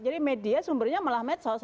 jadi media sumbernya malah medsos